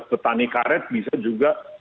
petani karet bisa juga